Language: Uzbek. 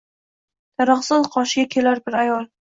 Daraxtzor qoshiga kelar bir ayol